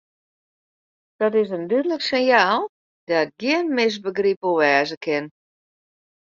Dat is in dúdlik sinjaal dêr't gjin misbegryp oer wêze kin.